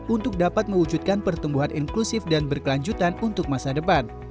untuk dapat mewujudkan pertumbuhan inklusif dan berkelanjutan untuk masa depan